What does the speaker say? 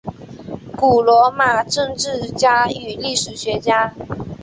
古罗马政治家与历史学家。